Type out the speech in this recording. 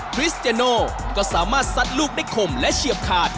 คริสเจโน่ก็สามารถซัดลูกได้คมและเฉียบขาด